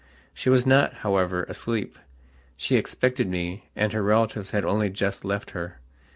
She was not, however, asleep. She expected me, and her relatives had only just left her.